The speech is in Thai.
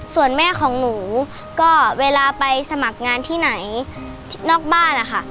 ส่วนแม่ของหนูก็เวลาไปสมัครงานที่ไหนนอกบ้านนะคะ